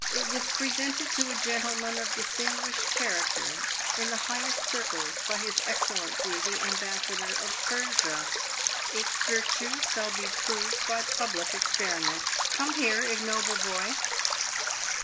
It was presented to a gentleman of distinguished character in the highest circles by his Excellency the Ambassador of Persia. Its virtues shall be proved by public experiment Come here, ignoble boy!